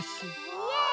うわ！